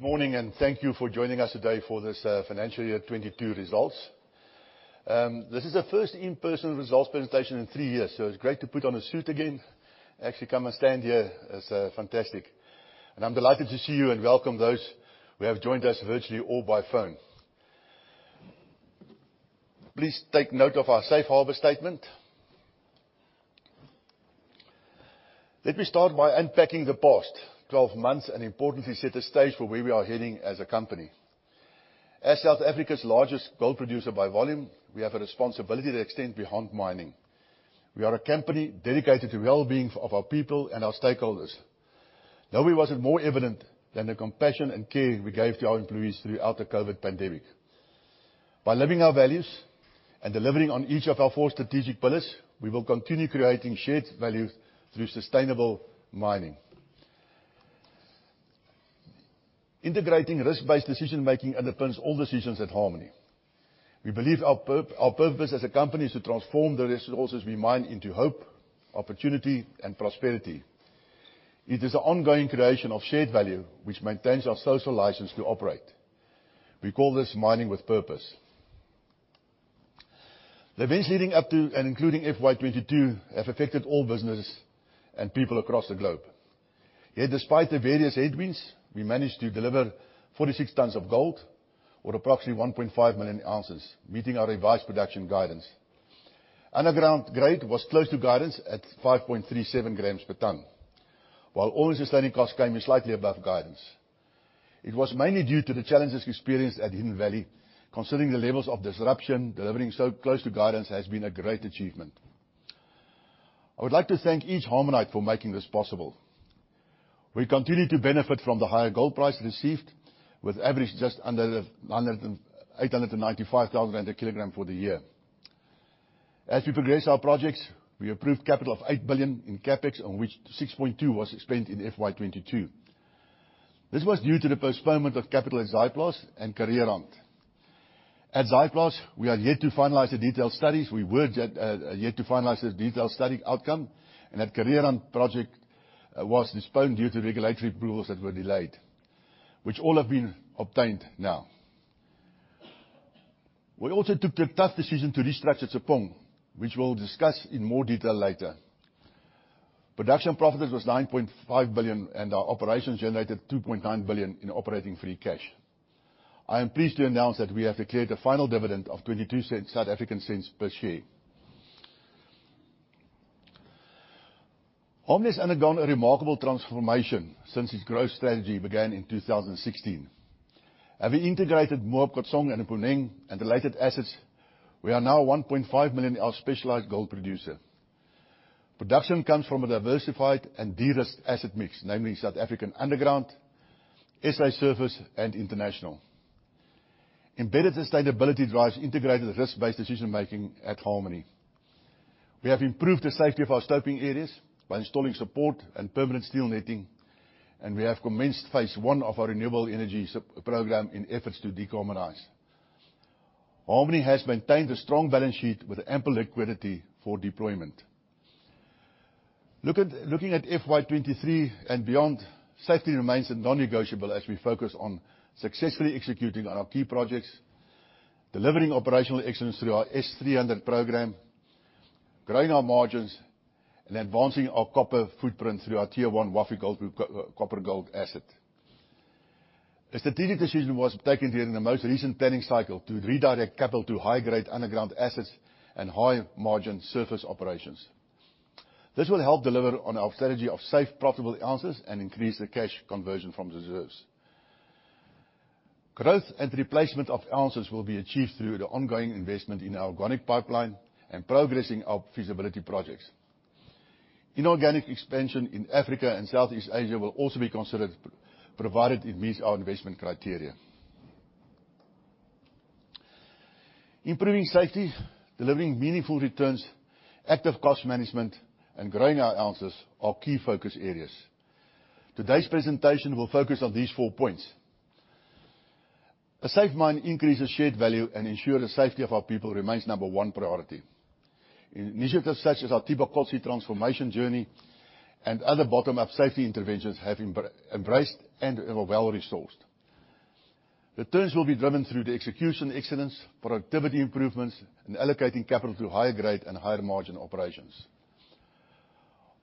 Good morning, and thank you for joining us today for this Financial Year 2022 Results. This is the first in-person results presentation in three years, so it's great to put on a suit again. Actually, to come and stand here is fantastic. I'm delighted to see you and welcome those who have joined us virtually or by phone. Please take note of our safe harbor statement. Let me start by unpacking the past 12 months, and importantly set the stage for where we are heading as a company. As South Africa's largest gold producer by volume, we have a responsibility that extends beyond mining. We are a company dedicated to the well-being of our people and our stakeholders. Nowhere was it more evident than the compassion and care we gave to our employees throughout the COVID pandemic. By living our values and delivering on each of our four strategic pillars, we will continue creating shared value through sustainable mining. Integrating risk-based decision-making underpins all decisions at Harmony. We believe our purpose as a company is to transform the resources we mine into hope, opportunity, and prosperity. It is an ongoing creation of shared value which maintains our social license to operate. We call this mining with purpose. The events leading up to and including FY 2022 have affected all businesses and people across the globe. Yet despite the various headwinds, we managed to deliver 46 tons of gold or approximately 1.5 million ounces, meeting our revised production guidance. Underground grade was close to guidance at 5.37 grams per ton, while all-in sustaining cost came in slightly above guidance. It was mainly due to the challenges experienced at Hidden Valley. Considering the levels of disruption, delivering so close to guidance has been a great achievement. I would like to thank each Harmonite for making this possible. We continue to benefit from the higher gold price received, with average just under eight hundred and ninety-five thousand rand a kilogram for the year. As we progress our projects, we approved capital of 8 billion in CapEx, on which 6.2 billion was spent in FY 2022. This was due to the postponement of capital at Zaaiplaats and Kareerand. At Zaaiplaats, we are yet to finalize the detailed studies. We were yet to finalize this detailed study outcome, and that Kareerand project was postponed due to regulatory approvals that were delayed, which all have been obtained now. We also took the tough decision to restructure Tshepong, which we'll discuss in more detail later. Production profit was 9.5 billion, and our operations generated 2.9 billion in operating free cash. I am pleased to announce that we have declared a final dividend of 0.22 per share. Harmony has undergone a remarkable transformation since its growth strategy began in 2016. Having integrated Mponeng, Ngodongha, and Ulungwa and related assets, we are now 1.5 million ounce specialized gold producer. Production comes from a diversified and de-risked asset mix, namely South African underground, SA surface, and international. Embedded sustainability drives integrated risk-based decision-making at Harmony. We have improved the safety of our stoping areas by installing support and permanent steel netting, and we have commenced phase I of our renewable energy supply program in efforts to decarbonize. Harmony has maintained a strong balance sheet with ample liquidity for deployment. Looking at FY23 and beyond, safety remains non-negotiable as we focus on successfully executing on our key projects, delivering operational excellence through our S300 program, growing our margins, and advancing our copper footprint through our Tier 1 Wafi-Golpu asset. A strategic decision was taken during the most recent planning cycle to redirect capital to high-grade underground assets and high-margin surface operations. This will help deliver on our strategy of safe, profitable ounces and increase the cash conversion from reserves. Growth and replacement of ounces will be achieved through the ongoing investment in our organic pipeline and progressing our feasibility projects. Inorganic expansion in Africa and Southeast Asia will also be considered, provided it meets our investment criteria. Improving safety, delivering meaningful returns, active cost management, and growing our ounces are key focus areas. Today's presentation will focus on these four points. A safe mine increases shared value and ensure the safety of our people remains number one priority. Initiatives such as our Thibakotsi transformation journey and other bottom-up safety interventions have embraced and are well resourced. Returns will be driven through the execution excellence, productivity improvements, and allocating capital to higher grade and higher margin operations.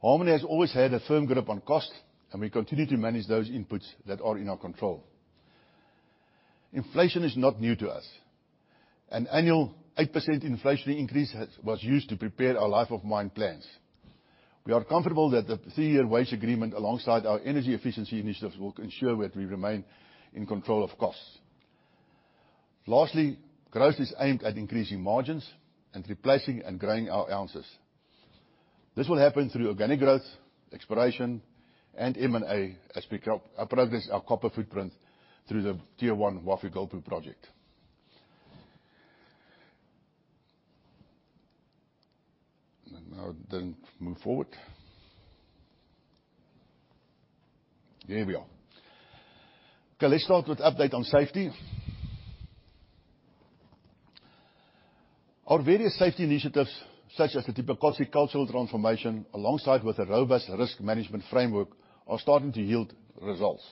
Harmony has always had a firm grip on cost, and we continue to manage those inputs that are in our control. Inflation is not new to us. An annual 8% inflationary increase was used to prepare our life of mine plans. We are comfortable that the three-year wage agreement, alongside our energy efficiency initiatives, will ensure that we remain in control of costs. Lastly, growth is aimed at increasing margins and replacing and growing our ounces. This will happen through organic growth, exploration, and M&A as we progress our copper footprint through the tier one Wafi-Golpu project. Now I don't move forward. There we are. Okay, let's start with update on safety. Our various safety initiatives, such as the Thibakotsi cultural transformation, alongside with a robust risk management framework, are starting to yield results.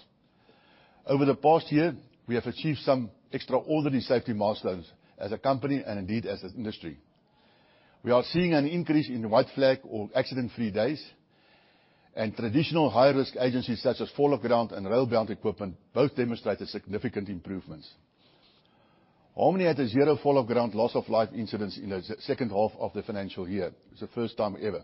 Over the past year, we have achieved some extraordinary safety milestones as a company, and indeed as an industry. We are seeing an increase in white flag or accident-free days, and traditional high-risk activities such as fall of ground and rail-bound equipment both demonstrated significant improvements. Harmony had a zero fall of ground loss of life incidents in the second half of the financial year. It's the first time ever.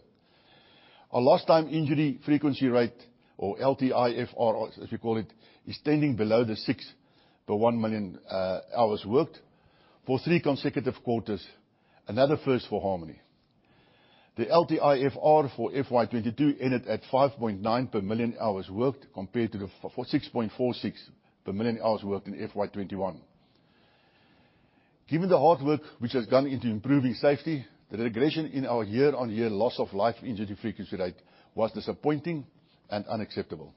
Our lost time injury frequency rate, or LTIFR, as we call it, is standing below 6 per 1 million hours worked for three consecutive quarters, another first for Harmony. The LTIFR for FY 2022 ended at 5.9 per million hours worked compared to the 6.46 per million hours worked in FY 2021. Given the hard work which has gone into improving safety, the regression in our year-on-year lost time injury frequency rate was disappointing and unacceptable.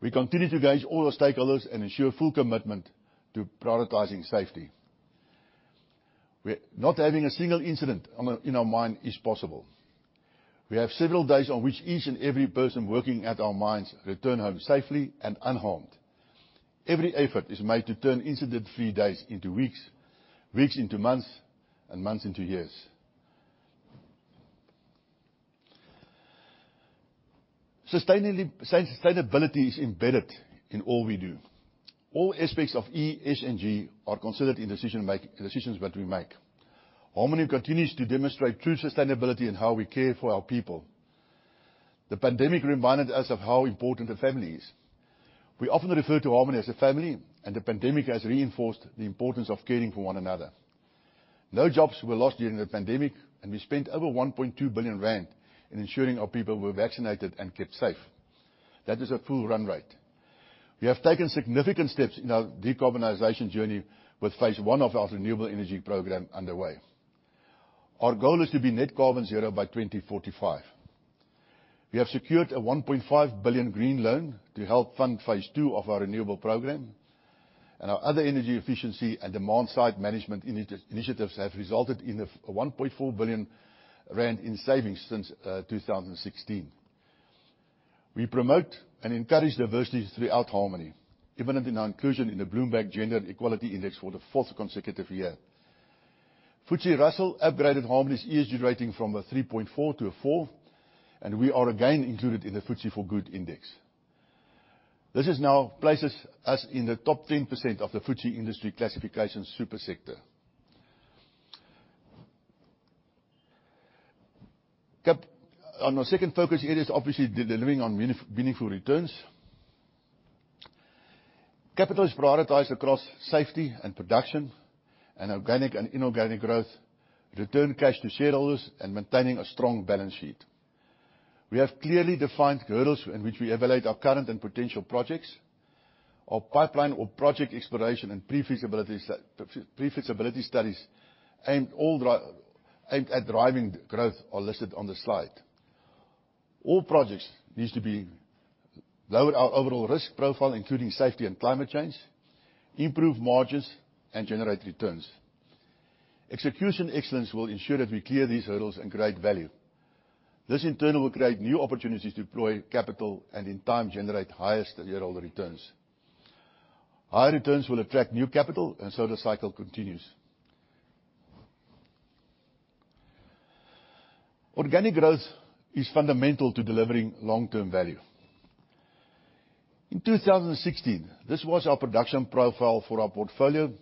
We continue to engage all our stakeholders and ensure full commitment to prioritizing safety. Not having a single incident on a, in our mine is possible. We have several days on which each and every person working at our mines return home safely and unharmed. Every effort is made to turn incident-free days into weeks into months, and months into years. Sustainability is embedded in all we do. All aspects of ESG are considered in decisions that we make. Harmony continues to demonstrate true sustainability in how we care for our people. The pandemic reminded us of how important the family is. We often refer to Harmony as a family, and the pandemic has reinforced the importance of caring for one another. No jobs were lost during the pandemic, and we spent over 1.2 billion rand in ensuring our people were vaccinated and kept safe. That is a full run rate. We have taken significant steps in our decarbonization journey with phase I of our renewable energy program underway. Our goal is to be net carbon zero by 2045. We have secured a 1.5 billion green loan to help fund phase II of our renewable program. Our other energy efficiency and demand side management initiatives have resulted in 1.4 billion rand in savings since 2016. We promote and encourage diversity throughout Harmony, evident in our inclusion in the Bloomberg Gender-Equality Index for the fourth consecutive year. FTSE Russell upgraded Harmony's ESG rating from a 3.4 to a 4, and we are again included in the FTSE4Good Index. This now places us in the top 10% of the FTSE industry classification super sector. On our second focus area is obviously delivering on meaningful returns. Capital is prioritized across safety and production and organic and inorganic growth, return cash to shareholders, and maintaining a strong balance sheet. We have clearly defined hurdles in which we evaluate our current and potential projects. Our pipeline of project exploration and pre-feasibility studies aimed at driving growth are listed on the slide. All projects need to lower our overall risk profile, including safety and climate change, improve margins, and generate returns. Execution excellence will ensure that we clear these hurdles and create value. This in turn will create new opportunities to deploy capital and in time generate higher year-over-year returns. High returns will attract new capital, and so the cycle continues. Organic growth is fundamental to delivering long-term value. In 2016, this was our production profile for our portfolio,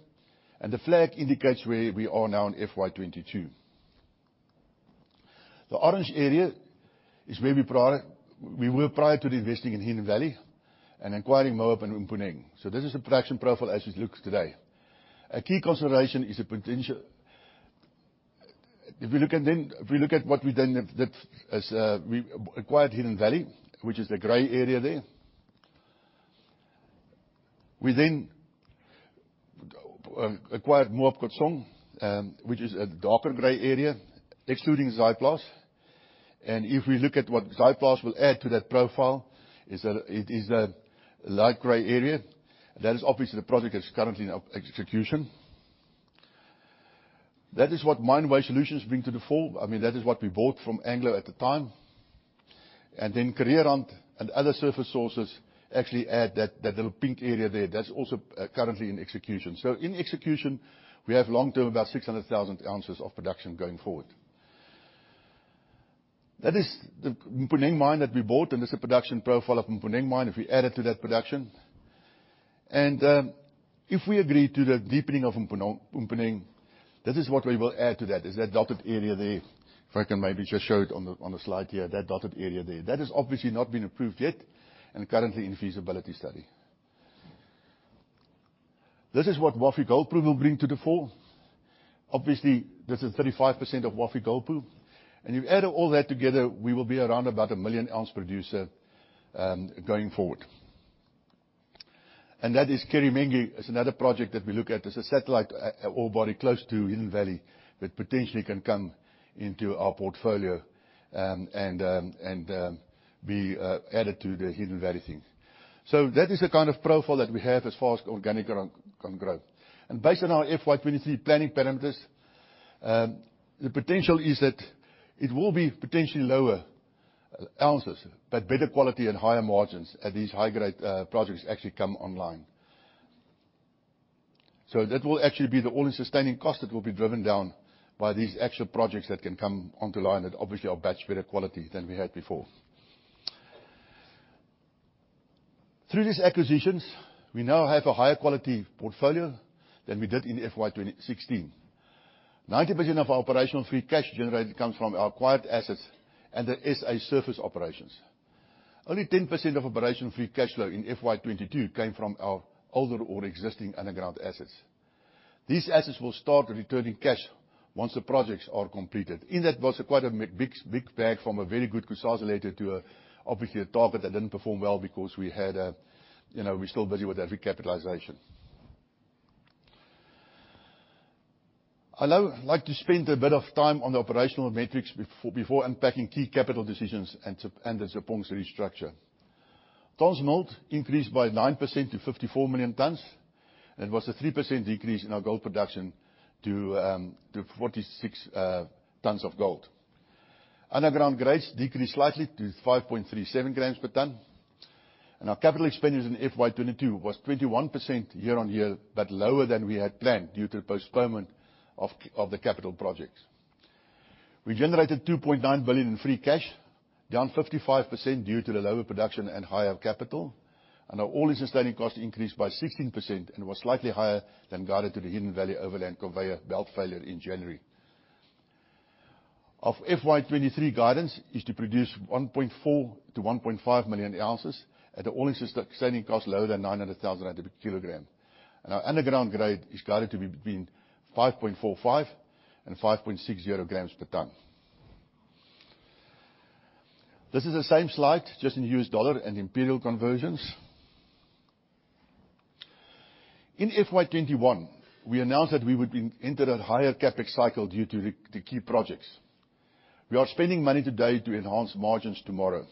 and the flag indicates where we are now in FY 2022. The orange area is where we were prior to investing in Hidden Valley and acquiring Moab and Mponeng. This is the production profile as it looks today. A key consideration is the potential. If we look at what we then have did is, we acquired Hidden Valley, which is the gray area there. We then acquired Moab Khotsong, which is a darker gray area, excluding Zaaiplaats. If we look at what Zaaiplaats will add to that profile, it is a light gray area. That is obviously the project that's currently in execution. That is what Mine Waste Solutions bring to the fore. I mean, that is what we bought from Anglo at the time. Then Kareerand and other surface sources actually add that little pink area there. That's also currently in execution. In execution, we have long-term about 600,000 ounces of production going forward. That is the Mponeng mine that we bought, and this is the production profile of Mponeng mine if we add it to that production. If we agree to the deepening of Mponeng, this is what we will add to that, is that dotted area there. If I can maybe just show it on the slide here, that dotted area there. That has obviously not been approved yet, and currently in feasibility study. This is what Wafi-Golpu will bring to the fore. Obviously, this is 35% of Wafi-Golpu. You add all that together, we will be around about a 1 million ounce producer, going forward. That is Kili Teke. It's another project that we look at. It's a satellite ore body close to Hidden Valley that potentially can come into our portfolio and be added to the Hidden Valley thing. That is the kind of profile that we have as far as organic growth. Based on our FY 2023 planning parameters, the potential is that it will be potentially lower ounces, but better quality and higher margins as these high grade projects actually come online. That will actually be the all-in sustaining cost that will be driven down by these actual projects that can come online that obviously are much better quality than we had before. Through these acquisitions, we now have a higher quality portfolio than we did in FY 2016. 90% of our operational free cash generated comes from our acquired assets and the SA surface operations. Only 10% of operational free cash flow in FY 2022 came from our older or existing underground assets. These assets will start returning cash once the projects are completed, and that was quite a big bang from a very good Kusasalethu related to a Target 1 that didn't perform well, because we had a, you know, we're still busy with recapitalization. I now like to spend a bit of time on the operational metrics before unpacking key capital decisions and the Tshepong restructure. Tons milled increased by 9% to 54 million tons. It was a 3% decrease in our gold production to 46 tons of gold. Underground grades decreased slightly to 5.37 grams per ton. Our capital expenditures in FY 2022 was 21% year-on-year, but lower than we had planned due to postponement of the capital projects. We generated 2.9 billion in free cash, down 55% due to the lower production and higher capital. Our all-in sustaining cost increased by 16% and was slightly higher than guided due to the Hidden Valley overland conveyor belt failure in January. Our FY 2023 guidance is to produce 1.4 million-1.5 million ounces at an all-in sustaining cost lower than 900,000 a kilogram. Our underground grade is guided to be between 5.45 and 5.60 grams per ton. This is the same slide, just in US dollar and imperial conversions. In FY 2021, we announced that we would enter a higher CapEx cycle due to the key projects. We are spending money today to enhance margins tomorrow.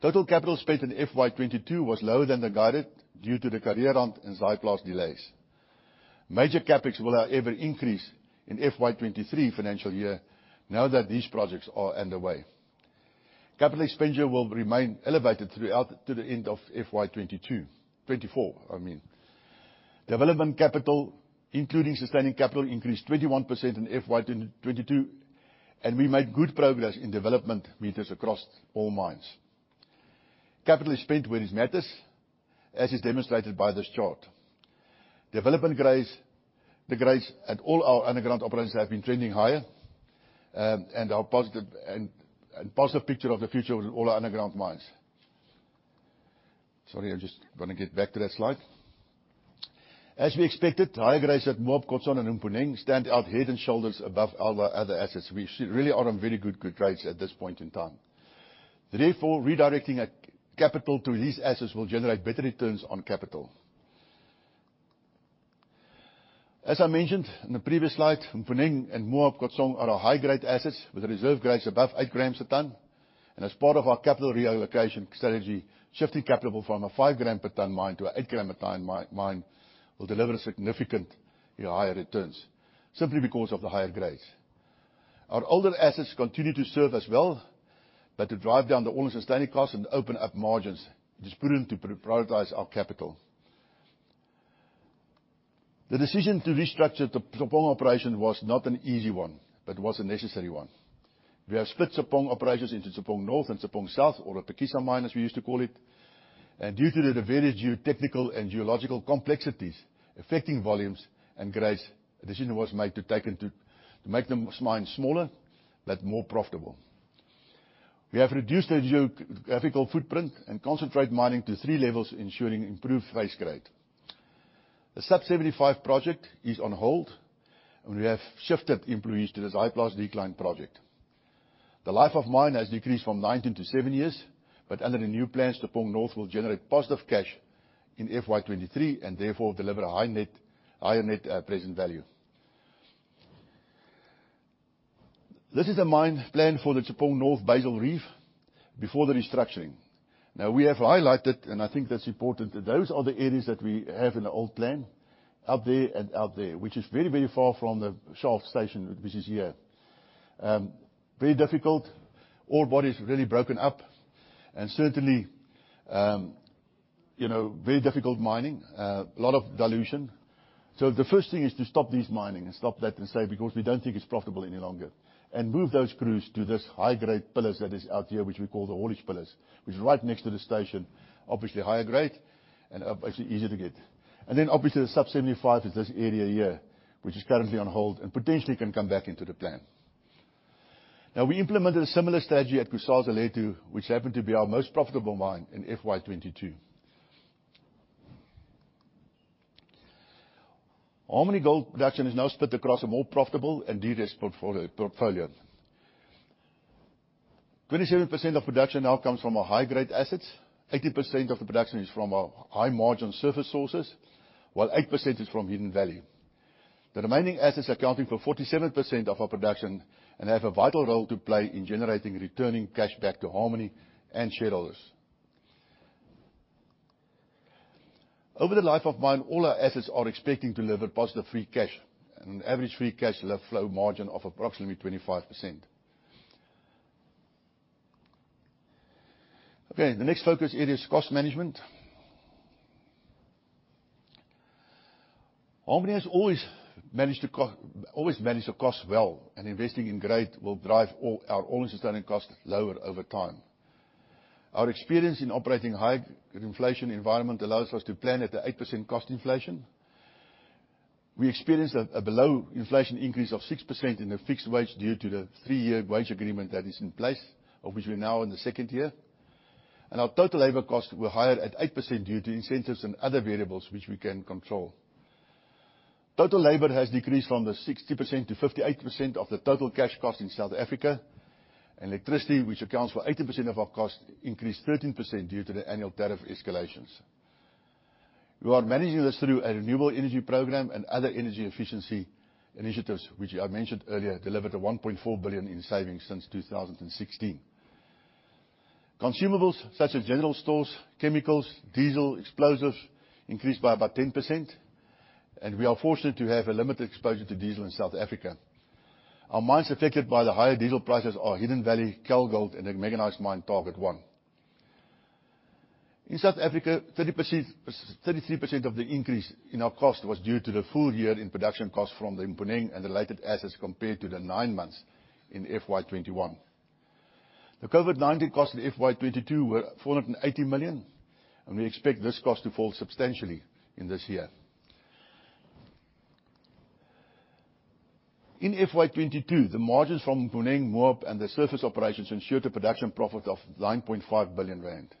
Total capital spent in FY 2022 was lower than the guided due to the Kareerand and Zaaiplaats delays. Major CapEx will, however, increase in FY 2023 financial year now that these projects are underway. Capital expenditure will remain elevated throughout to the end of FY 2022. 2024, I mean. Development capital, including sustaining capital, increased 21% in FY 2022, and we made good progress in development meters across all mines. Capital is spent where it matters, as is demonstrated by this chart. Development grades, the grades at all our underground operations have been trending higher, and are positive picture of the future with all our underground mines. Sorry, I just wanna get back to that slide. As we expected, higher grades at Moab, Khotsong, and Mponeng stand out head and shoulders above other assets. We really are on very good grades at this point in time. Therefore, redirecting capital to these assets will generate better returns on capital. As I mentioned in the previous slide, Mponeng and Moab Khotsong are our high-grade assets with reserve grades above 8 grams a ton. As part of our capital reallocation strategy, shifting capital from a 5-gram per ton mine to an 8-gram a ton mine will deliver significantly higher returns simply because of the higher grades. Our older assets continue to serve as well, but to drive down the all-in sustaining costs and open up margins, it is prudent to prioritize our capital. The decision to restructure the Tshepong operation was not an easy one, but was a necessary one. We have split Tshepong operations into Tshepong North and Tshepong South, or the Tokisa mine as we used to call it. Due to the various geotechnical and geological complexities affecting volumes and grades, a decision was made to make the mines smaller but more profitable. We have reduced the geographical footprint and concentrated mining to three levels, ensuring improved face grade. The Sub 75 project is on hold, and we have shifted employees to the Zaaiplaats Decline project. The life of mine has decreased from 19 to 7 years, but under the new plans, Tshepong North will generate positive cash in FY 2023, and therefore deliver a higher net present value. This is a mine plan for the Tshepong North Basal Reef before the restructuring. Now, we have highlighted, and I think that's important, those are the areas that we have in the old plan, up there and out there, which is very, very far from the shaft station, which is here. Very difficult. Ore bodies really broken up and certainly, you know, very difficult mining. A lot of dilution. The first thing is to stop this mining and stop that and say, because we don't think it's profitable any longer. Move those crews to this high-grade pillars that is out here, which we call the haulage pillars, which is right next to the station, obviously higher grade and obviously easier to get. Then obviously the Sub 75 is this area here, which is currently on hold and potentially can come back into the plan. We implemented a similar strategy at Kusasalethu, which happened to be our most profitable mine in FY 2022. Harmony Gold production is now split across a more profitable and de-risked portfolio. 27% of production now comes from our high-grade assets. 18% of the production is from our high-margin surface sources, while 8% is from Hidden Valley. The remaining assets accounting for 47% of our production and have a vital role to play in generating returning cash back to Harmony and shareholders. Over the life of mine, all our assets are expecting to deliver positive free cash, and an average free cash flow margin of approximately 25%. Okay, the next focus area is cost management. Harmony has always managed the cost well, and investing in grade will drive all our all-in sustaining costs lower over time. Our experience in operating high inflation environment allows us to plan at 8% cost inflation. We experienced a below-inflation increase of 6% in the fixed wage due to the three year wage agreement that is in place, of which we're now in the second year. Our total labor costs were higher at 8% due to incentives and other variables which we can control. Total labor has decreased from the 60%-58% of the total cash costs in South Africa. Electricity, which accounts for 80% of our costs, increased 13% due to the annual tariff escalations. We are managing this through a renewable energy program and other energy efficiency initiatives, which I mentioned earlier, delivered 1.4 billion in savings since 2016. Consumables such as general stores, chemicals, diesel, explosives increased by about 10%, and we are fortunate to have a limited exposure to diesel in South Africa. Our mines affected by the higher diesel prices are Hidden Valley, Kalgold and the mechanized mine, Target 1. In South Africa, 30%, 33% of the increase in our cost was due to the full year in production costs from the Mponeng and related assets compared to the nine months in FY21. The COVID-19 costs in FY22 were 480 million, and we expect this cost to fall substantially in this year. In FY22, the margins from Mponeng, Moab and the surface operations ensured a production profit of 9.5 billion rand.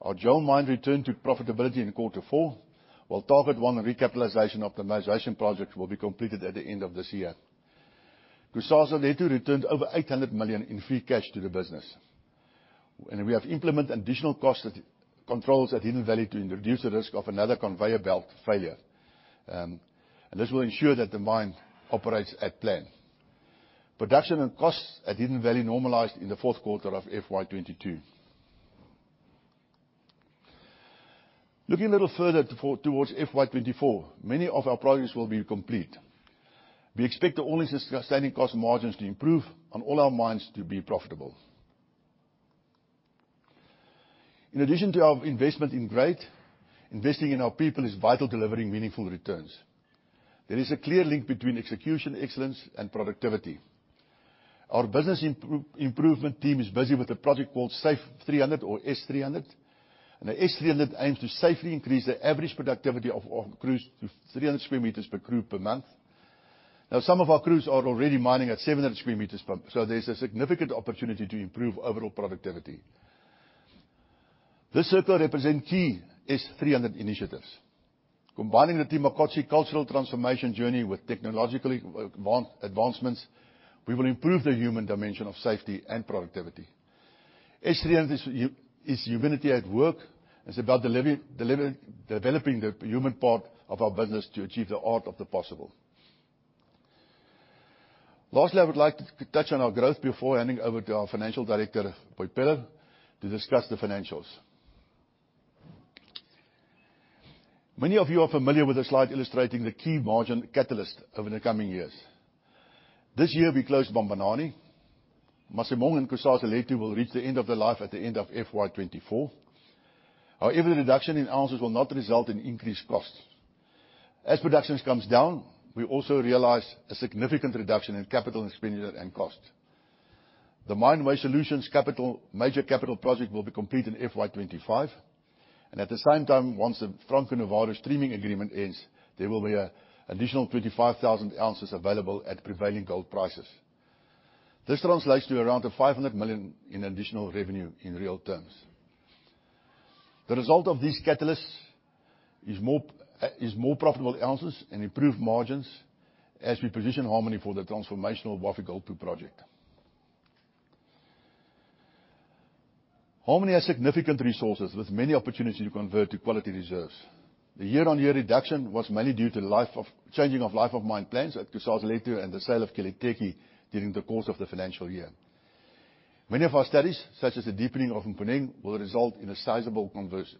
Our Joel Mine returned to profitability in quarter four, while Target 1 recapitalization optimization project will be completed at the end of this year. Kusasalethu returned over 800 million in free cash to the business. We have implemented additional cost controls at Hidden Valley to reduce the risk of another conveyor belt failure. This will ensure that the mine operates at plan. Production and costs at Hidden Valley normalized in the fourth quarter of FY22. Looking a little further towards FY24, many of our projects will be complete. We expect the all in standing cost margins to improve and all our mines to be profitable. In addition to our investment in grade, investing in our people is vital to delivering meaningful returns. There is a clear link between execution, excellence, and productivity. Our business improvement team is busy with a project called Safe 300 or S300. Now, S300 aims to safely increase the average productivity of crews to 300 square meters per crew per month. Now, some of our crews are already mining at 700 square meters, so there is a significant opportunity to improve overall productivity. This circle represent key S300 initiatives. Combining the Thibakotsi cultural transformation journey with technologically advancements, we will improve the human dimension of safety and productivity. S300 is humanity at work. It's about developing the human part of our business to achieve the art of the possible. Lastly, I would like to touch on our growth before handing over to our financial director, Boipelo, to discuss the financials. Many of you are familiar with the slide illustrating the key margin catalyst over the coming years. This year we closed Bambanani. Masimong and Kusasalethu will reach the end of their life at the end of FY 2024. However, the reduction in ounces will not result in increased costs. As production comes down, we also realize a significant reduction in capital expenditure and costs. The Mine Waste Solutions capital, major capital project will be complete in FY25, and at the same time, once the Franco-Nevada streaming agreement ends, there will be an additional 25,000 ounces available at prevailing gold prices. This translates to around 500 million in additional revenue in real terms. The result of these catalysts is more profitable ounces and improved margins as we position Harmony for the transformational Wafi-Golpu project. Harmony has significant resources with many opportunities to convert to quality reserves. The year-on-year reduction was mainly due to changing of life of mine plans at Kusasalethu and the sale of Kili Teke during the course of the financial year. Many of our studies, such as the deepening of Mponeng, will result in a sizable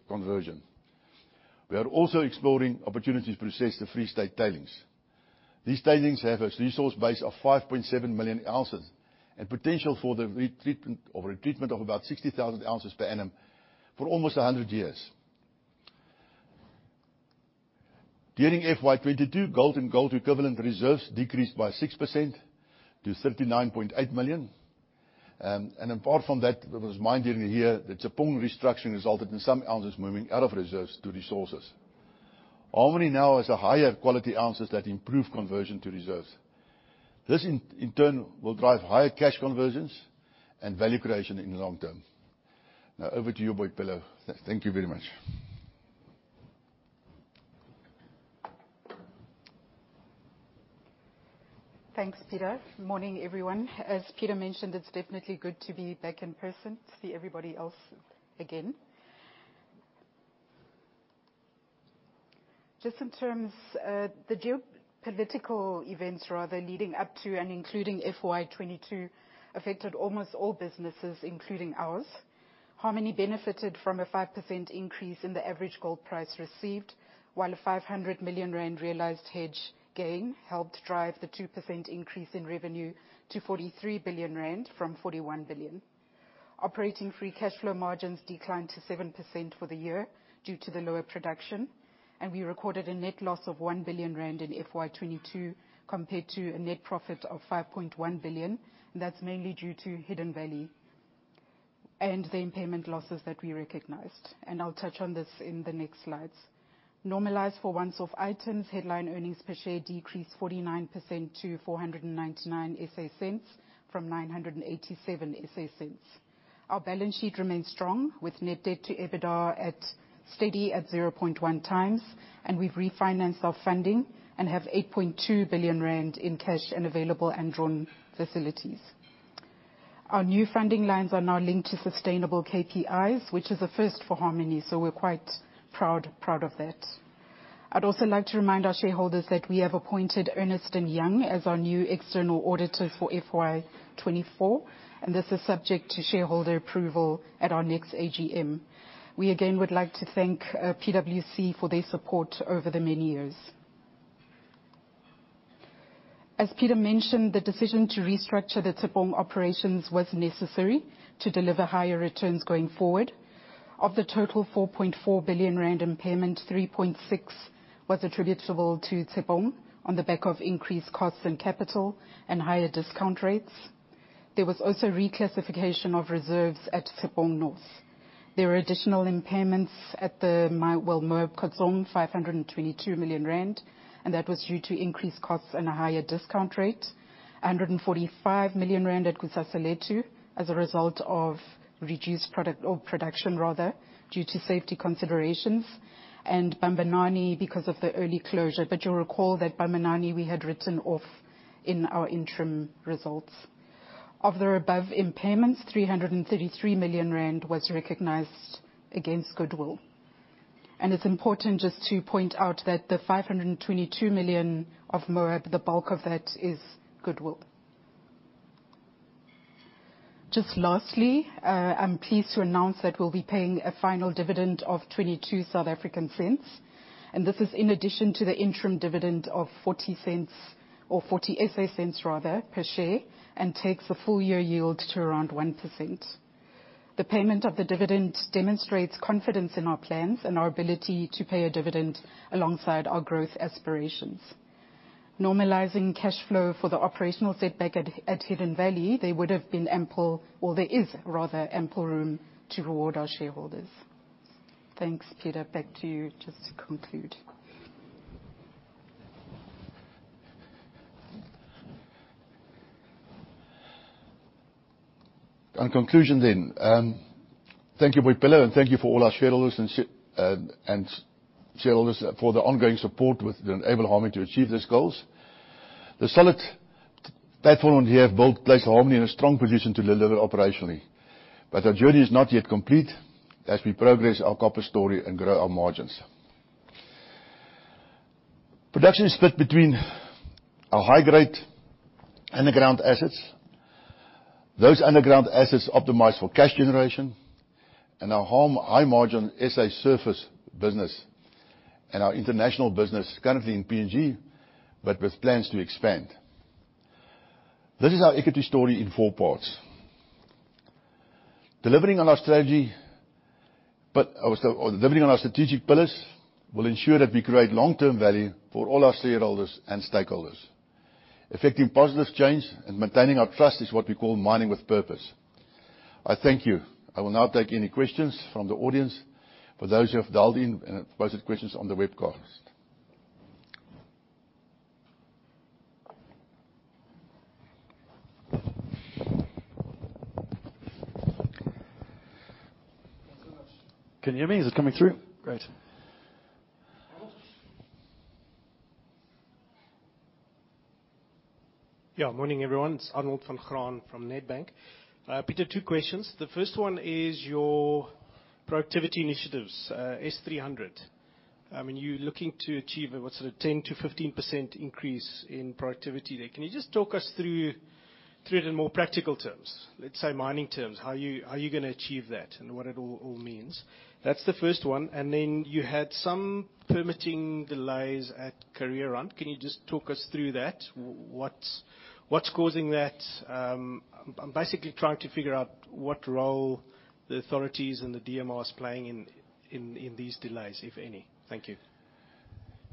conversion. We are also exploring opportunities to process the Free State tailings. These tailings have a resource base of 5.7 million ounces and potential for the retreatment of about 60,000 ounces per annum for almost 100 years. During FY22, gold and gold equivalent reserves decreased by 6% to 39.8 million. Apart from that, there was mined during the year, the Tshepong restructuring resulted in some ounces moving out of reserves to resources. Harmony now has a higher quality ounces that improve conversion to reserves. This in turn will drive higher cash conversions and value creation in the long term. Now over to you, Boipelo. Thank you very much. Thanks, Peter. Morning, everyone. As Peter mentioned, it's definitely good to be back in person to see everybody else again. Just in terms, the geopolitical events rather leading up to and including FY 2022 affected almost all businesses, including ours. Harmony benefited from a 5% increase in the average gold price received, while a 500 million rand realized hedge gain helped drive the 2% increase in revenue to 43 billion rand from 41 billion. Operating free cash flow margins declined to 7% for the year due to the lower production. We recorded a net loss of 1 billion rand in FY 2022 compared to a net profit of 5.1 billion, and that's mainly due to Hidden Valley and the impairment losses that we recognized. I'll touch on this in the next slides. Normalized for once-off items, headline earnings per share decreased 49% to 4.99 from 9.87. Our balance sheet remains strong, with net debt to EBITDA steady at 0.1x, and we've refinanced our funding and have 8.2 billion rand in cash and available undrawn facilities. Our new funding lines are now linked to sustainable KPIs, which is a first for Harmony, so we're quite proud of that. I'd also like to remind our shareholders that we have appointed Ernst & Young as our new external auditor for FY 2024, and this is subject to shareholder approval at our next AGM. We again would like to thank PwC for their support over the many years. As Peter mentioned, the decision to restructure the Tshepong operations was necessary to deliver higher returns going forward. Of the total 4.4 billion rand impairment, 3.6 was attributable to Tshepong on the back of increased costs and capital and higher discount rates. There was also reclassification of reserves at Tshepong North. There were additional impairments at Moab Khotsong, 522 million rand, and that was due to increased costs and a higher discount rate. 145 million rand at Kusasalethu as a result of reduced production rather, due to safety considerations, and Bambanani because of the early closure. You'll recall that Bambanani, we had written off in our interim results. Of the above impairments, 333 million rand was recognized against goodwill. It's important just to point out that the 522 million of Moab, the bulk of that is goodwill. Just lastly, I'm pleased to announce that we'll be paying a final dividend of 0.22, and this is in addition to the interim dividend of 0.40 per share, and takes the full year yield to around 1%. The payment of the dividend demonstrates confidence in our plans and our ability to pay a dividend alongside our growth aspirations. Normalizing cash flow for the operational setback at Hidden Valley, there would have been ample or there is rather ample room to reward our shareholders. Thanks, Peter. Back to you, just to conclude. In conclusion, thank you Boipelo, and thank you for all our shareholders for their ongoing support with enabling Harmony to achieve these goals. The solid platform we have built places Harmony in a strong position to deliver operationally. Our journey is not yet complete as we progress our copper story and grow our margins. Production is split between our high-grade underground assets. Those underground assets optimize for cash generation and our high margin SA surface business and our international business currently in PNG, but with plans to expand. This is our equity story in four parts. Delivering on our strategy, or delivering on our strategic pillars will ensure that we create long-term value for all our shareholders and stakeholders. Effecting positive change and maintaining our trust is what we call mining with purpose. I thank you.I will now take any questions from the audience for those who have dialed in and posted questions on the webcast. Can you hear me? Is it coming through? Great. Arnold. Yeah. Morning, everyone. It's Arnold Van Graan from Nedbank. Peter, two questions. The first one is your productivity initiatives, S300. I mean, you're looking to achieve what's sort of 10%-15% increase in productivity there. Can you just talk us through it in more practical terms? Let's say mining terms. How you gonna achieve that and what it all means? That's the first one. And then you had some permitting delays at Kareerand. Can you just talk us through that? What's causing that? I'm basically trying to figure out what role the authorities and the DMR is playing in these delays, if any. Thank you.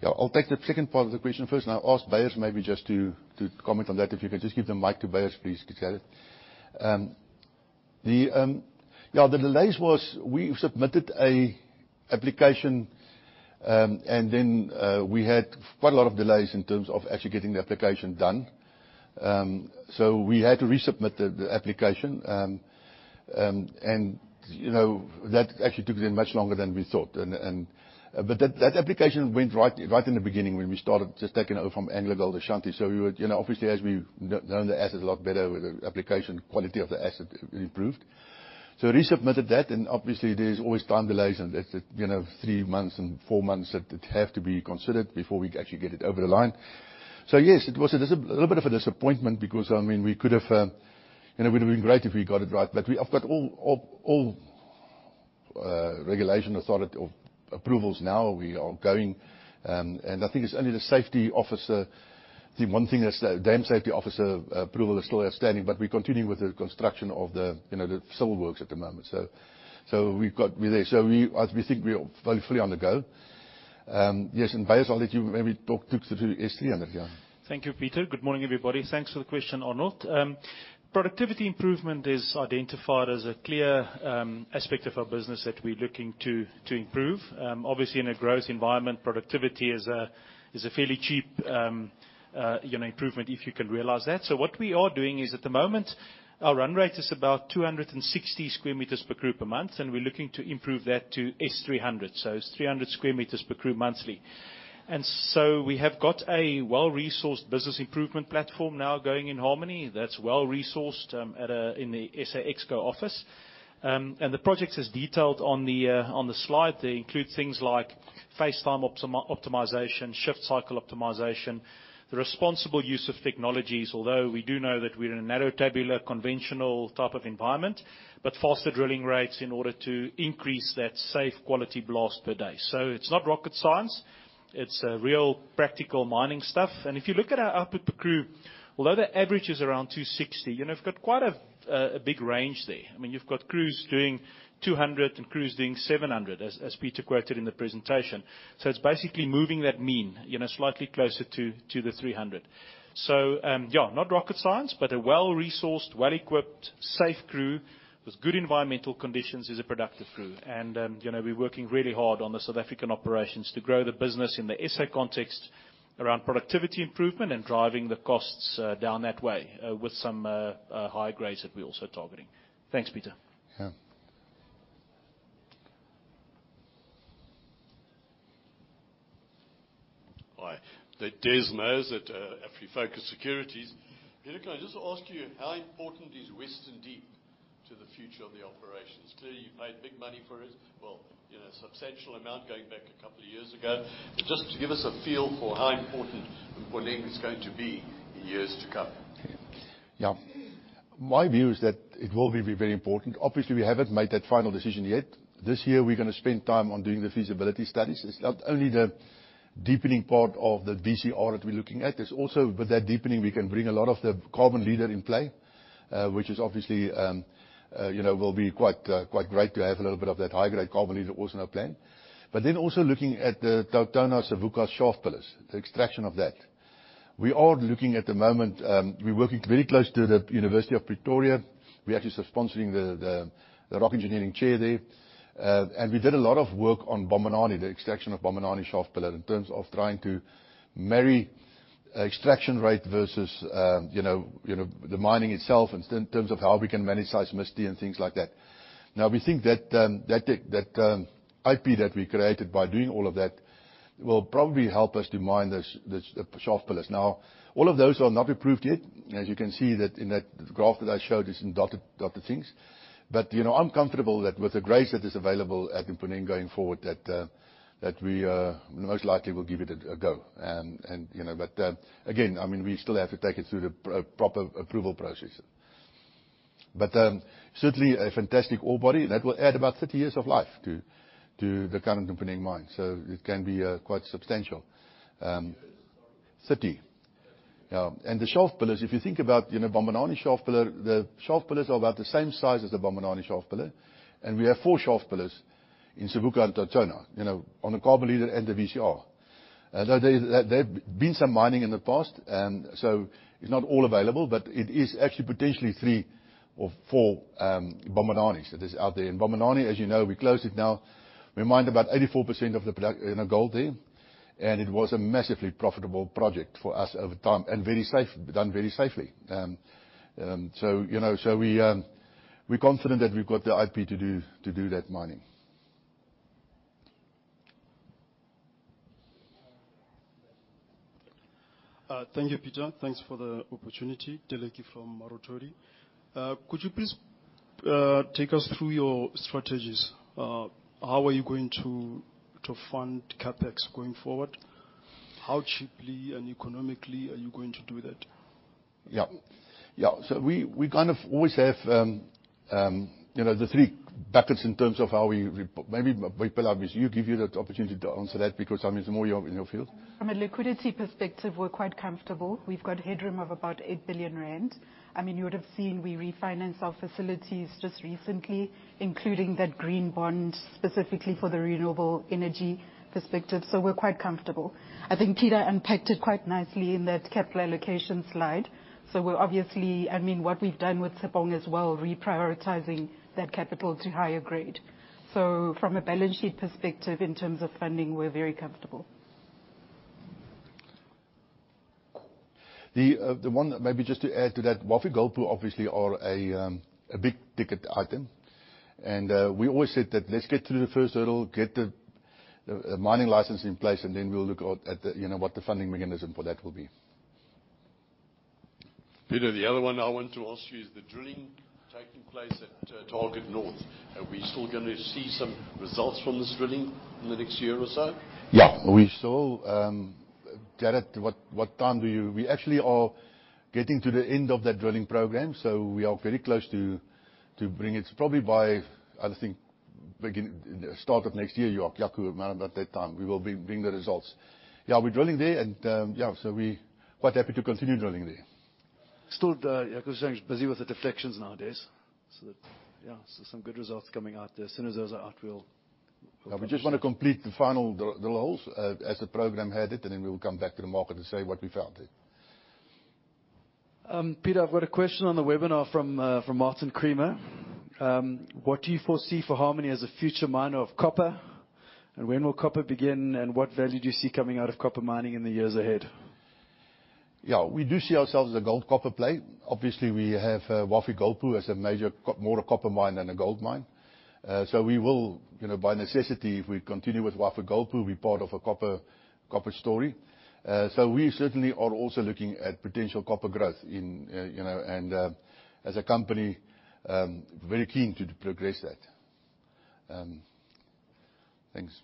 Yeah. I'll take the second part of the question first, and I'll ask Beyers maybe just to comment on that. If you can just give the mic to Beyers, please, to share. The delays was we submitted a application, and then we had quite a lot of delays in terms of actually getting the application done. So we had to resubmit the application. You know, that actually took them much longer than we thought. That application went right in the beginning when we started just taking over from AngloGold Ashanti. We would, you know, obviously, as we've known the asset a lot better with the application quality of the asset improved. Resubmitted that, and obviously there's always time delays and it's, you know, three months and four months that have to be considered before we actually get it over the line. Yes, it was a little bit of a disappointment because, I mean, we could have. You know, it would've been great if we got it right. We've got all regulatory authority or approvals now we are going, and I think it's only the safety officer, the one thing that's dam safety officer approval is still outstanding, but we're continuing with the construction of the, you know, the civil works at the moment. We've got. We're there. We, as we think, we're fully on the go. Yes, Beyers, I'll let you maybe talk through to the S300. Yeah. Thank you, Peter. Good morning, everybody. Thanks for the question, Arnold. Productivity improvement is identified as a clear aspect of our business that we're looking to improve. Obviously, in a growth environment, productivity is a fairly cheap, you know, improvement if you can realize that. What we are doing is, at the moment, our run rate is about 260 m² per crew per month, and we're looking to improve that to S300, so it's 300 m² per crew monthly. We have got a well-resourced business improvement platform now going in Harmony that's well-resourced in the SA ExCo office. The projects as detailed on the slide, they include things like face time optimization, shift cycle optimization, the responsible use of technologies, although we do know that we're in a narrow tabular, conventional type of environment. Faster drilling rates in order to increase that safe quality blast per day. It's not rocket science. It's real practical mining stuff. If you look at our output per crew, although the average is around 260, you know, we've got quite a big range there. I mean, you've got crews doing 200 and crews doing 700, as Peter quoted in the presentation. It's basically moving that mean, you know, slightly closer to the 300. Yeah, not rocket science, but a well-resourced, well-equipped, safe crew with good environmental conditions is a productive crew. You know, we're working really hard on the South African operations to grow the business in the SA context around productivity improvement and driving the costs down that way with some high grades that we're also targeting. Thanks, Peter. Yeah. Hi. It's Desmond at Afrifocus Securities. Peter, can I just ask you, how important is Western Deep to the future of the operations? Clearly, you've made big money for it. Well, you know, substantial amount going back a couple of years ago. Just to give us a feel for how important Mponeng is going to be in years to come. Yeah. My view is that it will be very important. Obviously, we haven't made that final decision yet. This year we're gonna spend time on doing the feasibility studies. It's not only the deepening part of the VCR that we're looking at. There's also with that deepening, we can bring a lot of the Carbon Leader in play, which is obviously, you know, will be quite great to have a little bit of that high grade Carbon Leader also in our plan. But then also looking at the TauTona Savuka shaft pillars, the extraction of that. We are looking at the moment, we're working very close to the University of Pretoria. We actually are sponsoring the rock engineering chair there. We did a lot of work on Bambanani, the extraction of Bambanani shaft pillar in terms of trying to marry extraction rate versus, you know, the mining itself in terms of how we can manage seismicity and things like that. Now, we think that IP that we created by doing all of that will probably help us to mine those, the shaft pillars. Now, all of those are not approved yet. As you can see that in that graph that I showed, it's in dotted things. You know, I'm comfortable that with the grades that is available at Mponeng going forward, that we most likely will give it a go. You know, again, I mean, we still have to take it through the proper approval process. Certainly a fantastic ore body that will add about 30 years of life to the current Mponeng mine, so it can be quite substantial. 30 years, sorry. 30. Yeah. The shaft pillars, if you think about, you know, Bambanani shaft pillar, the shaft pillars are about the same size as the Bambanani shaft pillar. We have four shaft pillars in Savuka and TauTona, you know, on the carbon leader and the VCR. Now, there have been some mining in the past, and so it's not all available, but it is actually potentially three or four Bambananis that is out there. Bambanani, as you know, we closed it now. We mined about 84% of the gold there, and it was a massively profitable project for us over time, and very safe, done very safely. You know, we're confident that we've got the IP to do that mining. Thank you, Peter. Thanks for the opportunity. Teleki from Marotori. Could you please take us through your strategies? How are you going to fund CapEx going forward? How cheaply and economically are you going to do that? Yeah. We kind of always have, you know, the three buckets. Maybe Boipelo, we should give you the opportunity to answer that because, I mean, it's more in your field. From a liquidity perspective, we're quite comfortable. We've got headroom of about 8 billion rand. I mean, you would have seen we refinanced our facilities just recently, including that green bond specifically for the renewable energy perspective, so we're quite comfortable. I think Peter unpacked it quite nicely in that capital allocation slide. We're obviously. I mean, what we've done with Tshepong as well, reprioritizing that capital to higher grade. From a balance sheet perspective, in terms of funding, we're very comfortable. The one maybe just to add to that, Wafi-Golpu is obviously a big-ticket item. We always said that let's get through the first hurdle, get the mining license in place, and then we'll look at, you know, what the funding mechanism for that will be. Peter, the other one I want to ask you is the drilling taking place at Target North. Are we still gonna see some results from this drilling in the next year or so? Yeah. We still, Jaco, what time do you? We actually are getting to the end of that drilling program, so we are very close to bring it. It's probably by, I think the start of next year, you, Jaco, around about that time, we will be bringing the results. Yeah, we're drilling there and, yeah, so we're quite happy to continue drilling there. Still, Jared Coetzer saying he's busy with the deflections nowadays, so that, yeah, so some good results coming out there. As soon as those are out, we'll- Yeah. We just wanna complete the final drill holes as the program had it, and then we'll come back to the market and say what we found there. Peter, I've got a question on the webinar from Martin Creamer. What do you foresee for Harmony as a future miner of copper? When will copper begin, and what value do you see coming out of copper mining in the years ahead? Yeah. We do see ourselves as a gold, copper play. Obviously, we have Wafi-Golpu as a major more a copper mine than a gold mine. We will, you know, by necessity, if we continue with Wafi-Golpu, be part of a copper story. We certainly are also looking at potential copper growth in, you know, and, as a company, very keen to progress that. Thanks.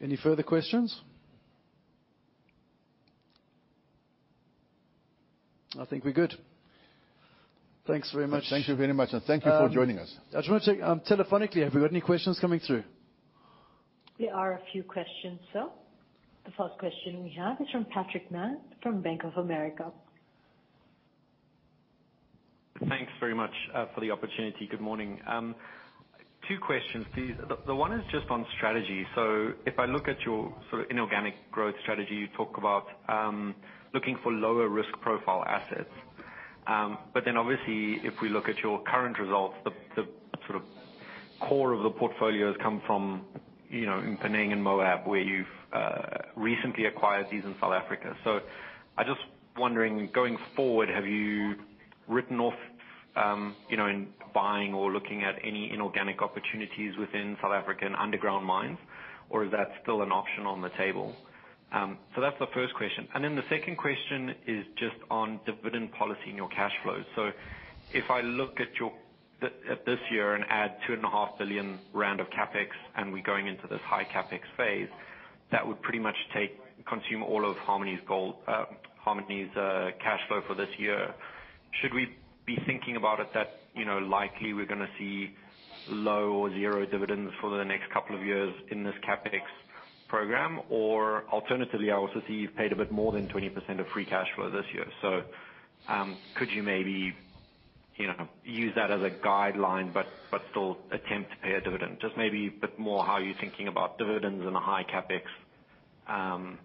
Any further questions? I think we're good. Thanks very much. Thank you very much, and thank you for joining us. I just wanna check, telephonically, have we got any questions coming through? There are a few questions, sir. The first question we have is from Patrick Mann from Bank of America. Thanks very much for the opportunity. Good morning. Two questions please. The one is just on strategy. If I look at your sort of inorganic growth strategy, you talk about looking for lower risk profile assets. But then obviously, if we look at your current results, the sort of core of the portfolio has come from, you know, in Mponeng and Moab, where you've recently acquired these in South Africa. I'm just wondering, going forward, have you written off, you know, in buying or looking at any inorganic opportunities within South African underground mines? Or is that still an option on the table? That's the first question. The second question is just on dividend policy and your cash flows. If I look at this year and add 2.5 billion rand of CapEx, and we're going into this high CapEx phase, that would pretty much take, consume all of Harmony's cash flow for this year. Should we be thinking about it that, you know, likely we're gonna see low or zero dividends for the next couple of years in this CapEx program? Or alternatively, I also see you've paid a bit more than 20% of free cash flow this year. Could you maybe, you know, use that as a guideline, but still attempt to pay a dividend? Just maybe a bit more how you're thinking about dividends in a high CapEx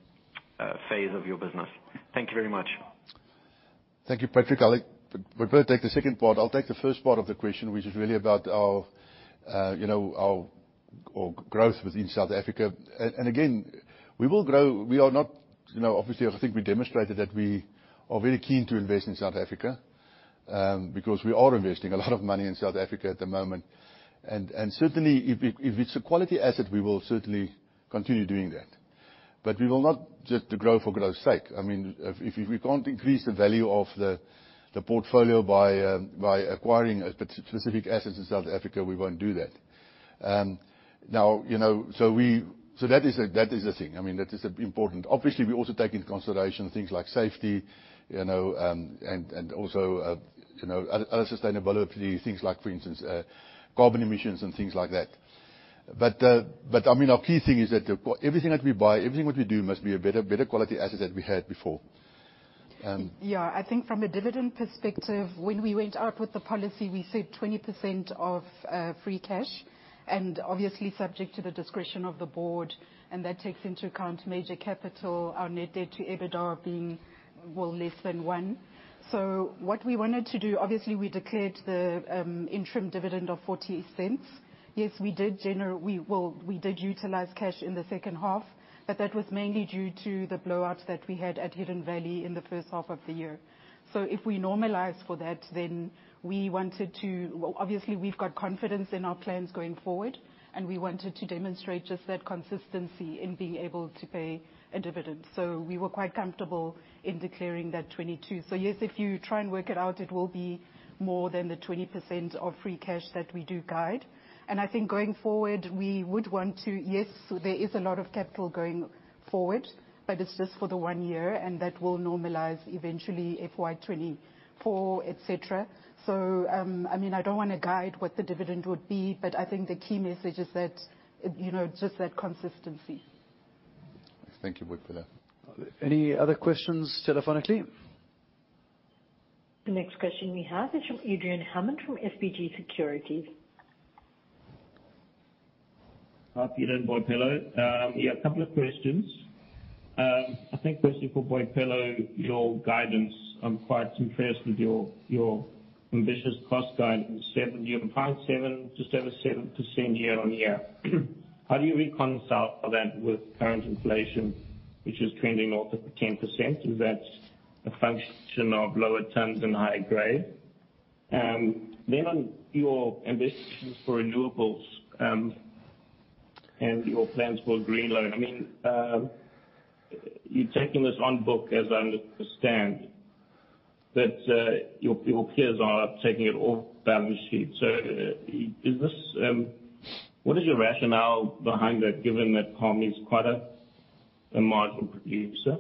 phase of your business. Thank you very much. Thank you, Patrick. I think we'd better take the second part. I'll take the first part of the question, which is really about our you know our growth within South Africa. Again, we will grow. We are not you know obviously I think we demonstrated that we are very keen to invest in South Africa because we are investing a lot of money in South Africa at the moment. Certainly if it's a quality asset, we will certainly continue doing that. We will not just grow for growth's sake. I mean, if we can't increase the value of the portfolio by acquiring a specific asset in South Africa, we won't do that. Now, you know that is a thing. I mean, that is important. Obviously, we also take into consideration things like safety, you know, and also, you know, other sustainability, things like, for instance, carbon emissions and things like that. I mean, our key thing is that everything that we buy, everything that we do must be a better quality asset than we had before. Yeah. I think from a dividend perspective, when we went out with the policy, we said 20% of free cash, and obviously subject to the discretion of the board, and that takes into account major capital, our net debt to EBITDA being, well, less than one. What we wanted to do, obviously, we declared the interim dividend of 0.40. Yes, we did utilize cash in the second half, but that was mainly due to the blow-out that we had at Hidden Valley in the first half of the year. If we normalize for that, then we wanted to. Well, obviously, we've got confidence in our plans going forward, and we wanted to demonstrate just that consistency in being able to pay a dividend. We were quite comfortable in declaring that 22. Yes, if you try and work it out, it will be more than the 20% of free cash that we do guide. I think going forward, we would want to. Yes, there is a lot of capital going forward, but it's just for the one year and that will normalize eventually FY 2024, et cetera. I mean, I don't wanna guide what the dividend would be, but I think the key message is that, you know, just that consistency. Thank you, Boipelo. Any other questions telephonically? The next question we have is from Adrian Hammond from SBG Securities. Hi, Peter and Boipelo. Yeah, a couple of questions. I think firstly for Boipelo, your guidance. I'm quite impressed with your ambitious cost guidance, 57%-77% year-on-year. How do you reconcile that with current inflation, which is trending north of 10%? Is that a function of lower tons and higher grade? On your investments for renewables. Your plans for green loan. I mean, you're taking this on book, as I understand. Your peers are taking it off balance sheet. Is this what is your rationale behind that, given that Harmony is quite a marginal producer?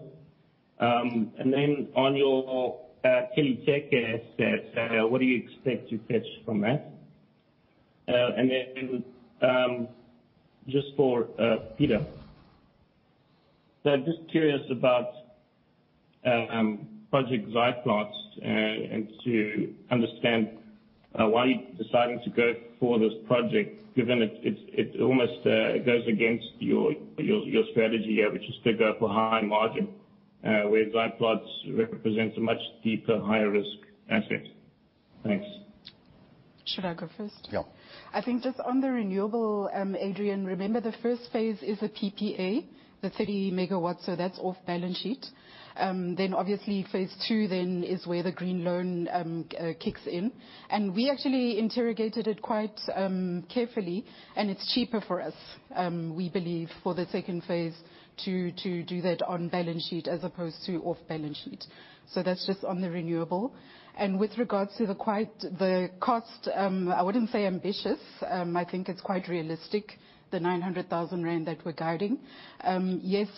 And then on your Kili Teke assets, what do you expect to fetch from that? And then, just for Peter. Just curious about Project Zaaiplaats, and to understand why you're deciding to go for this project, given it's almost goes against your strategy here, which is to go for high margin, where Zaaiplaats represents a much deeper, higher risk asset. Thanks. Should I go first? Yeah. I think just on the renewable, Adrian, remember the phase I is a PPA, the 30 megawatts, so that's off balance sheet. Then obviously phase II then is where the green loan kicks in. We actually interrogated it quite carefully, and it's cheaper for us, we believe, for the phase II to do that on balance sheet as opposed to off balance sheet. That's just on the renewable. With regards to the cost, I wouldn't say ambitious, I think it's quite realistic, the 900,000 rand that we're guiding. Yes,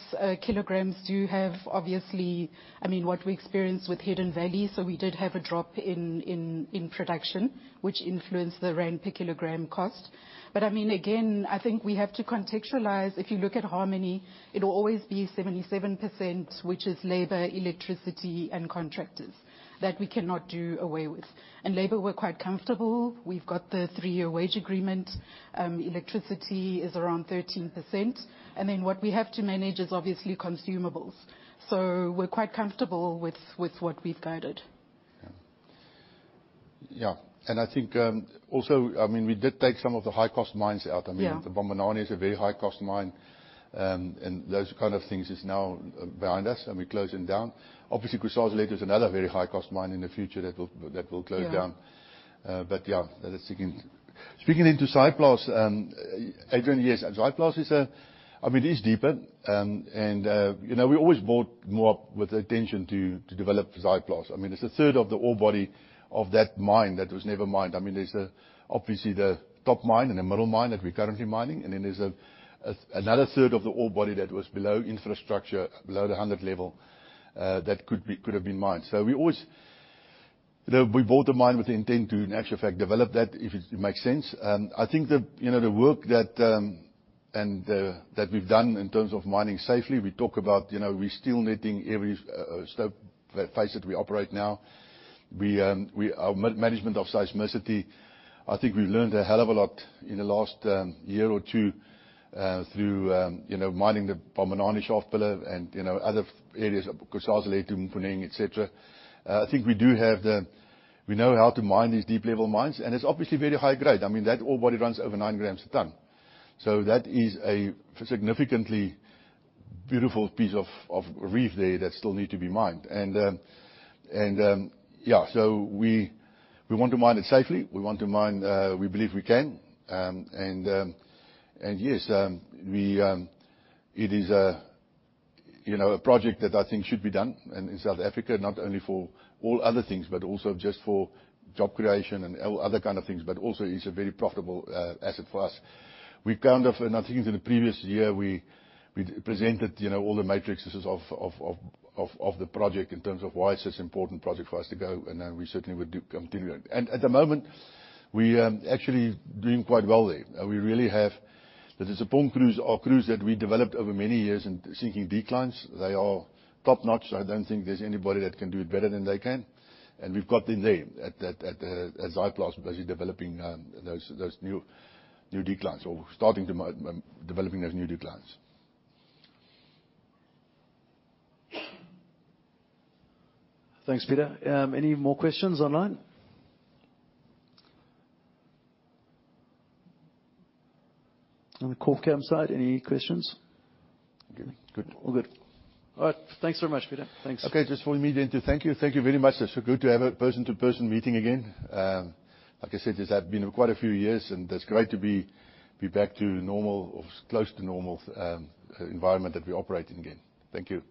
kilograms do have obviously. I mean, what we experienced with Hidden Valley, so we did have a drop in production, which influenced the rand per kilogram cost. I mean, again, I think we have to contextualize. If you look at Harmony, it'll always be 77%, which is labor, electricity, and contractors that we cannot do away with. Labor, we're quite comfortable. We've got the three-year wage agreement. Electricity is around 13%. Then what we have to manage is obviously consumables. We're quite comfortable with what we've guided. Yeah. I think, also, I mean, we did take some of the high-cost mines out. Yeah. I mean, the Bambanani is a very high cost mine, and those kind of things is now behind us, and we're closing down. Obviously, Kusasalethu is another very high cost mine in the future that will close down. Yeah. Yeah, that is second. Speaking of Zaaiplaats, Adrian, yes, Zaaiplaats is a. I mean, it is deeper. You know, we always bought Moab with the intention to develop Zaaiplaats. I mean, it is a third of the ore body of that mine that was never mined. I mean, there is obviously the top mine and the middle mine that we are currently mining. Then there is another third of the ore body that was below infrastructure, below the 100 level, that could have been mined. You know, we bought the mine with the intent to, in actual fact, develop that if it makes sense. I think the work that we've done in terms of mining safely. We talk about, you know, we're still netting every stope face that we operate now. Our management of seismicity, I think we've learned a hell of a lot in the last year or two through, you know, mining the Bambanani shaft pillar and, you know, other areas of Kusasalethu, Mponeng, etc. I think we do have. We know how to mine these deep-level mines, and it's obviously very high grade. I mean, that ore body runs over nine grams a ton. That is a significantly beautiful piece of reef there that still need to be mined. We want to mine it safely. We want to mine. We believe we can. Yes, it is a, you know, a project that I think should be done in South Africa, not only for all other things, but also just for job creation and other kind of things, but also is a very profitable asset for us. I think in the previous year, we presented, you know, all the metrics of the project in terms of why it's such an important project for us to go, and then we certainly would continue it. At the moment, we actually doing quite well there. We really have the support crews, our crews that we developed over many years in sinking declines. They are top-notch. I don't think there's anybody that can do it better than they can. We've got them there at Zaaiplaats basically developing those new declines. Thanks, Peter. Any more questions online? On the call-in side, any questions? Good. All good. All right. Thanks so much, Peter. Thanks. Okay. Just for me then to thank you. Thank you very much. It's so good to have a person-to-person meeting again. Like I said, it's had been quite a few years, and it's great to be back to normal or close to normal environment that we operate in again. Thank you.